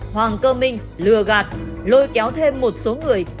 hoàng cơ minh lừa gạt lôi kéo thêm một số người